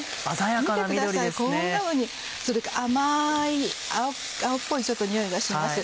見てくださいこんなふうに甘い青っぽいにおいがします。